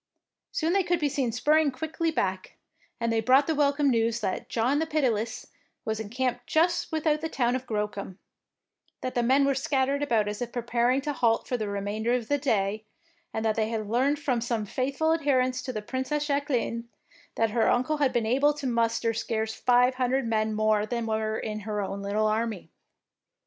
Soon they could be seen spurring quickly back, and they brought the welcome news that " John the Pitiless " was encamped just with out the town of Grocum, that the men were scattered about as if preparing to halt for the remainder of the day, and that they had learned from some faith ful adherents of the Princess Jacque line^s, that her uncle had been able to muster scarce five hundred men more than were in her own little army.